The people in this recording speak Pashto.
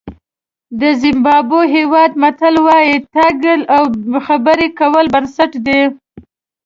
د زیمبابوې هېواد متل وایي تګ او خبرې کول بنسټ دی.